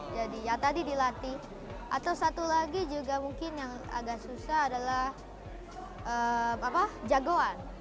jadi yang tadi dilatih atau satu lagi juga mungkin yang agak susah adalah jagoan